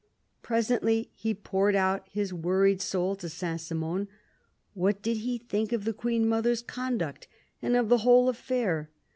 Presently he poured out his worried soul to Saint Simon. What did he think of the Queen mother's conduct, and of the whole affair